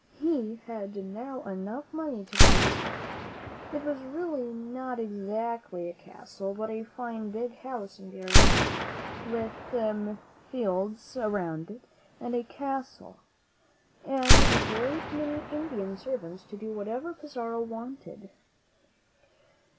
He had now enough money to buy his castle. It was really not exactly a castle, but a fine, big house in Darien, with fields around it and cattle, and a great many Indian servants to do whatever Pizarro wanted.